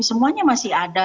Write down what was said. semuanya masih ada